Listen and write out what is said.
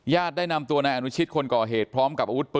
ญาตรได้นำตัวนายอนุชิตคนก่อเหตุพร้อม